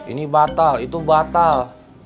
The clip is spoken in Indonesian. ini batal itu batal